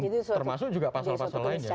termasuk juga pasal pasal lainnya